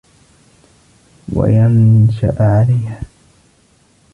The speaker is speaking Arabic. وَيَنْشَأَ عَلَيْهَا